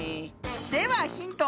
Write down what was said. ではヒント。